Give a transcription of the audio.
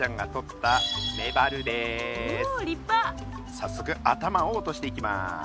さっそく頭を落としていきます。